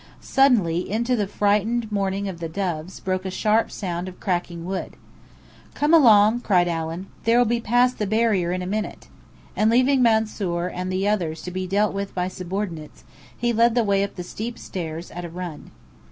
Suddenly, into the frightened mourning of the doves, broke a sharp sound of cracking wood. "Come along!" cried Allen. "They'll be past the barrier in a minute!" And leaving Mansoor and the others to be dealt with by subordinates, he led the way up the steep stairs, at a run.